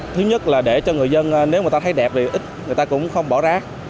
thứ nhất là để cho người dân nếu người ta thấy đẹp thì ít người ta cũng không bỏ rác